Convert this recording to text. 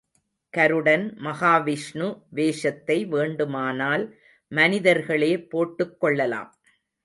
கருடன், மஹா விஷ்ணு வேஷத்தை வேண்டுமானால் மனிதர்களே போட்டுக் கொள்ளலாம்.